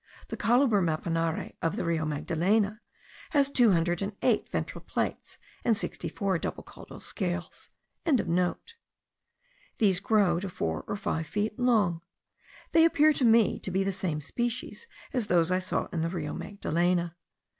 The Coluber mapanare of the Rio Magdalena has two hundred and eight ventral plates, and sixty four double caudal scales.) These grow to four or five feet long. They appeared to me to be the same species as those I saw in the Rio Magdalena.